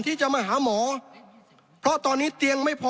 ที่จะมาหาหมอเพราะตอนนี้เตียงไม่พอ